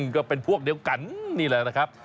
ก็เป็นพวกเดียวกันนี่แหละนะครับ